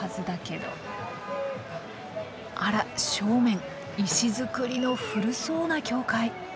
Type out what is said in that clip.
あら正面石造りの古そうな教会。